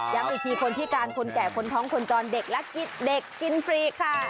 อีกทีคนพิการคนแก่คนท้องคนจรเด็กและเด็กกินฟรีค่ะ